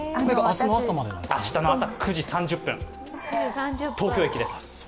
明日の朝９時３０分、東京駅です。